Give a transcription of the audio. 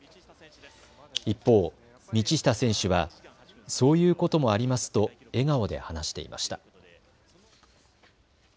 一方、道下選手はそういうこともありますと笑顔で話していました。